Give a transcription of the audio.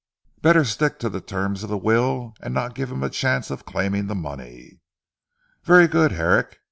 Better stick to the terms of the will, and not give him the chance of claiming the money." "Very good Herrick.